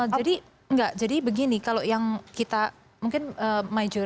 jadi enggak jadi begini kalau yang kita mungkin myjob com